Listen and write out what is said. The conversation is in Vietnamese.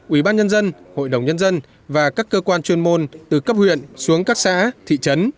ủy ban nhân dân hội đồng nhân dân và các cơ quan chuyên môn từ cấp huyện xuống các xã thị trấn